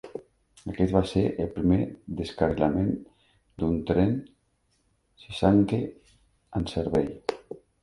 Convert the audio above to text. Aquest va ser el primer descarrilament d'un tren Shinkansen en servei.